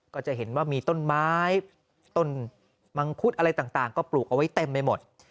ก็จะเห็นว่ามีต้นไม้ต้นมังคุดอะไรต่างก็ปลูกเอาไว้เต็มไปหมด